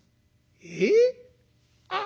「えっ！？